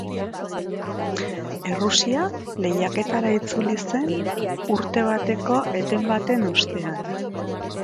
Errusia lehiaketara itzuli zen urte bateko eten baten ostean.